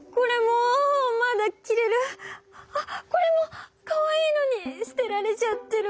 あっこれもかわいいのに捨てられちゃってる。